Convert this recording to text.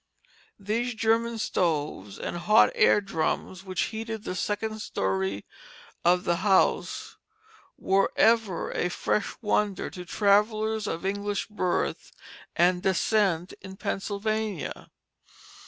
These German stoves and hot air drums, which heated the second story of the house, were ever a fresh wonder to travellers of English birth and descent in Pennsylvania.